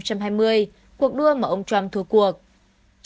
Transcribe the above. cuộc đua mà ông trump thua cuộc